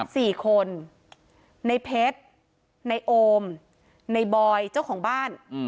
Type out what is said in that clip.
สี่คนในเพชรในโอมในบอยเจ้าของบ้าน